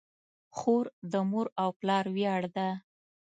خور د مور او پلار ویاړ ده.